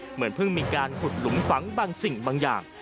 เหมือนเพิ่งมีการขุดหลุมฝังบางสิ่งบางอย่าง